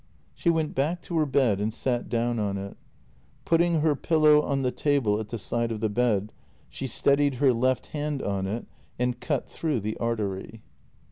She went back to her bed and sat down on it. Putting her pillow on the table at the side of the bed, she steadied her left hand on it and cut through the artery.